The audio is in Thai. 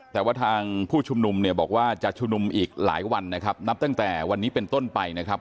แต่ว่าทางผู้ชุมนุมเนี่ยบอกว่าจะชุมนุมอีกหลายวันนะครับนับตั้งแต่วันนี้เป็นต้นไปนะครับ